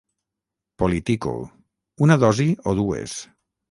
Politico: Una dosi o dues?